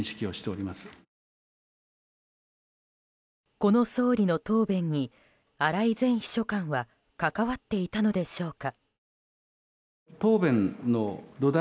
この総理の答弁に荒井前秘書官は関わっていたのでしょうか。